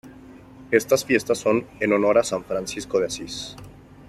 Estas fiestas son en honor a San Francisco de Asís